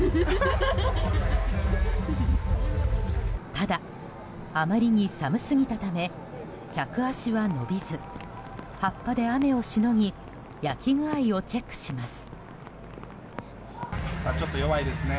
ただ、あまりに寒すぎたため客足は伸びず葉っぱで雨をしのぎ焼き具合をチェックします。